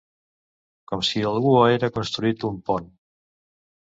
Com si algú haguera construït un pont!